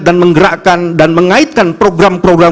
dan menggerakkan dan mengaitkan program program